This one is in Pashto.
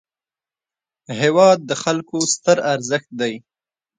هېواد د خلکو ستر ارزښت دی.